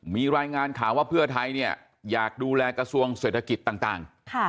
มีรายงานข่าวว่าเพื่อไทยเนี่ยอยากดูแลกระทรวงเศรษฐกิจต่าง